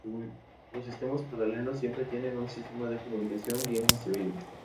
Los sistemas paralelos siempre tienen un sistema de comunicación bien construido.